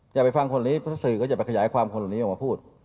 อยากไปฟังคนนี้เพราะสื่อก็จะไปขยายความคนนี้มาพูด